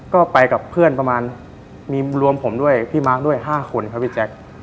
ก็ไปกับเพื่อนประมาณมีรวมผมด้วยพี่มาร์คด้วย๕คนครับพี่แจ๊ค